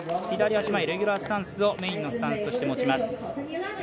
左足前、レギュラースタンスをメインのスタンスとして持ちます。